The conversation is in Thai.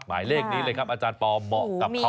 หมายเลขนี้เลยครับอาจารย์ปอเหมาะกับเขา